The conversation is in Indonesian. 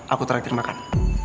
aku teraktif makan